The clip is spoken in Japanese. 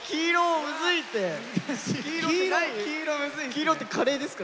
黄色ってカレーですか？